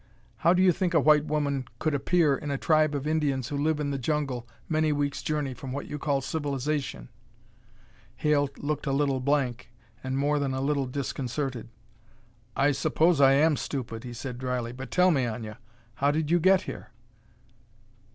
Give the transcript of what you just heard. How do you think a white woman could appear in a tribe of Indians who live in the jungle, many weeks' journey from what you call civilization?" Hale looked a little blank and more than a little disconcerted. "I suppose I am stupid," he said dryly. "But tell me, Aña, how did you get here?"